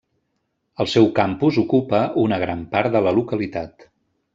El seu campus ocupa una gran part de la localitat.